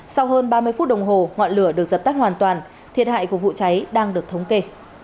sau hơn ba mươi phút đồng hồ ngọn lửa được dập tắt hoàn toàn thiệt hại của vụ cháy đang được thống kê